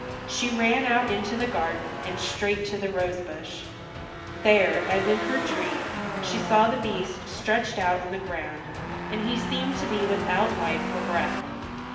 She ran out into the garden, and straight to the rose bush. There, as in her dream, she saw the Beast stretched out on the ground, and he seemed to be without life or breath.